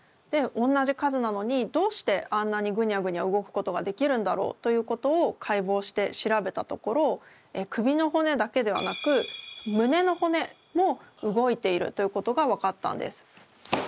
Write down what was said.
でおんなじ数なのにどうしてあんなにグニャグニャ動くことができるんだろうということを解剖して調べたところ首の骨だけではなく胸の骨も動いているということが分かったんです。